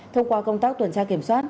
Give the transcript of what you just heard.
thông qua công tác tuần tra kiểm soát